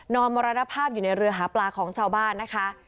มรณภาพอยู่ในเรือหาปลาของชาวบ้านนะคะ